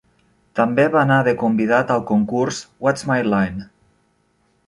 També va anar de convidat al concurs "What's My Line?"